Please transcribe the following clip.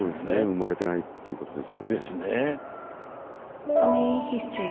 生まれてないっていうことですよね。